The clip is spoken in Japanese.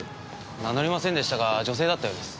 名乗りませんでしたが女性だったようです。